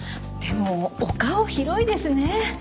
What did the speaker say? でもお顔広いですね。